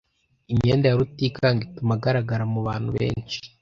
Imyenda ya Rutikanga ituma agaragara mu bantu benshi.